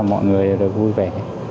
mọi người được vui vẻ